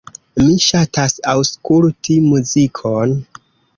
Mi ŝatas aŭskulti muzikon.